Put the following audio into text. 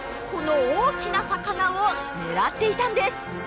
この大きな魚を狙っていたんです。